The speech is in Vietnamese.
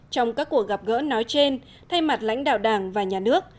trong các cuộc gặp gỡ nói trên thay mặt lãnh đạo đảng và nhà nước